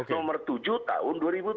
nomor tujuh tahun dua ribu tujuh belas